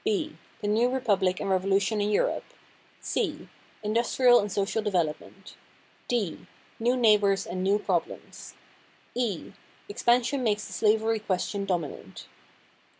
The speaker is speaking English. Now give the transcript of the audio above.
B "The New Republic and Revolution in Europe." C "Industrial and Social Development." D "New Neighbors and New Problems." E "Expansion Makes the Slavery Question Dominant."